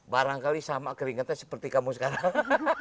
barangkali sama keringatnya seperti kamu sekarang